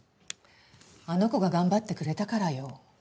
あの子が頑張ってくれたからよ。